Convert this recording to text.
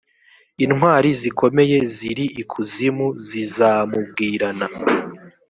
intwari zikomeye ziri ikuzimu zizamubwirana